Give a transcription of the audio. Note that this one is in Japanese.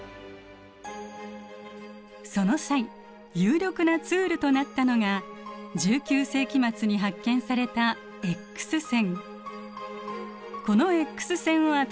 その際有力なツールとなったのが１９世紀末に発見されたＸ線。